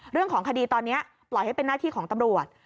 เรื่องของคดีตอนนี้ปล่อยให้เป็นหน้าที่ของตำรวจ